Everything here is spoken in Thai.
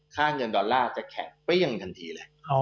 ค่าเงินดอลลาร์จะแข่งเปรี้ยงทันทีเลย